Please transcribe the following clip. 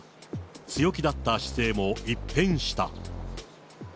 強気だった姿勢も一変した。